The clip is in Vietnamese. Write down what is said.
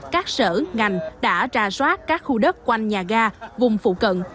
các sở ngành đã ra soát các khu đất quanh nhà ga vùng phụ cận